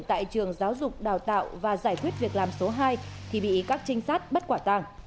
tại trường giáo dục đào tạo và giải quyết việc làm số hai thì bị các trinh sát bắt quả tàng